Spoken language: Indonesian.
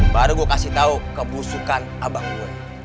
baru gue kasih tau kebusukan abang gue